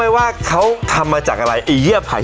เปิดไอเดียรับทรัพย์เดียรับ